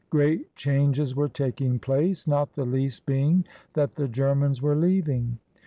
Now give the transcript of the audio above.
Great changes were taking place, not the least being that the Germans were leaving.